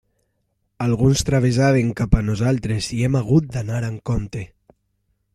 Alguns travessaven cap a nosaltres i hem hagut d'anar amb compte.